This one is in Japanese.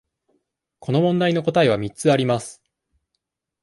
この問題の答えは三つあります。